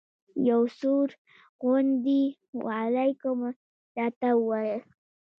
یو سوړ غوندې وعلیکم یې راته وویل.